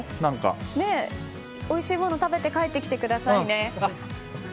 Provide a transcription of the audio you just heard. おいしいもの食べて帰ってきてくださいね。